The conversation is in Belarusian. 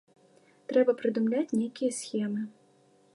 Трэба прыдумляць нейкія схемы.